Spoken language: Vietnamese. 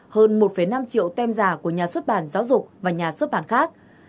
hơn một năm triệu tem giả của nhà xuất bản giáo dục và nhà xuất bản khác